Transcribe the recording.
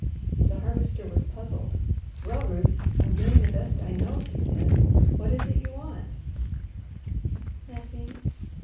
The Harvester was puzzled. "Well, Ruth, I'm doing the best I know," he said. "What is it you want?" "Nothing!"